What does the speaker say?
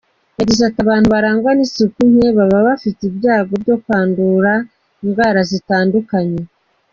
Yagize ati :"Abantu barangwa n’isuku nke baba bafite ibyago byo kwandura indwara zitandukanye.